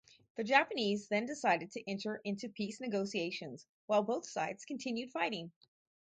The Japanese then decided to enter into peace negotiations, while both sides continued fighting.